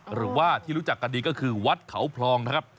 หรือว่าที่รู้จักกันดีก็คือวัดเขาพลองนะครับ